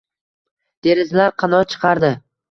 Derazalar qanot chiqardi